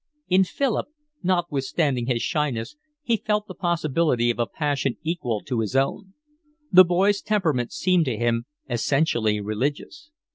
In Philip, notwithstanding his shyness, he felt the possibility of a passion equal to his own. The boy's temperament seemed to him essentially religious.